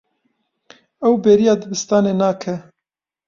Ew bêriya dibistanê nake.